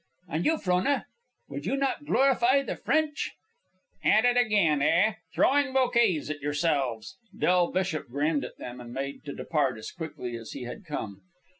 "And you, Frona, would you not glorify the French!" "At it again, eh? Throwing bouquets at yourselves." Del Bishop grinned at them, and made to depart as quickly as he had come.